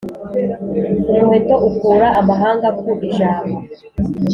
Umuheto ukura amahanga ku ijabo,